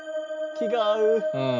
気が合う！